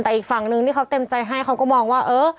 แต่อีกฝั่งนึงที่เขาเต็มใจให้เขาก็มองว่าเออ